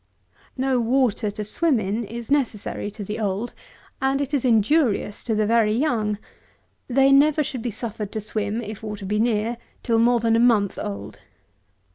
No water, to swim in, is necessary to the old, and is injurious to the very young. They never should be suffered to swim (if water be near) till more than a month old.